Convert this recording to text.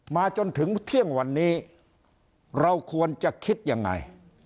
จนถึงเที่ยงวันนี้เราควรจะคิดยังไง